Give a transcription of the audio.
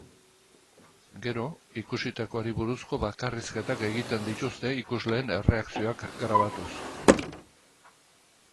Gero, ikusitakoari buruzko bakarrizketak egiten dituzte ikusleen erreakzioak grabatuz.